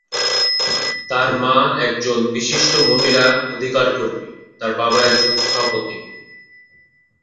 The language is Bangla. তার মা একজন বিশিষ্ট মহিলা অধিকার কর্মী, তার বাবা একজন স্থপতি।